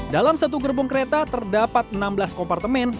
dalam satu gerbong kereta terdapat enam belas kompartemen